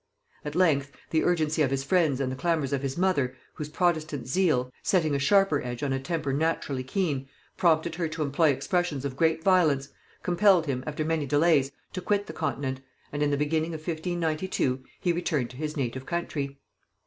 At length, the urgency of his friends and the clamors of his mother, whose protestant zeal, setting a sharper edge on a temper naturally keen, prompted her to employ expressions of great violence, compelled him, after many delays, to quit the continent; and in the beginning of 1592 he returned to his native country.